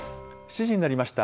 ７時になりました。